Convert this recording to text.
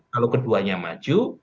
kalau keduanya maju